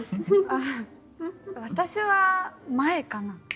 あぁ私は前かな。